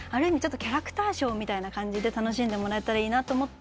キャラクターショーみたいな感じで楽しんでもらえたらいいなと思って。